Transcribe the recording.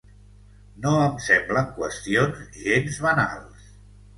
No em semblen qüestions gens banals.